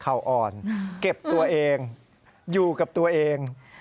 เขาอ่อนเก็บตัวเองอยู่กับตัวเอง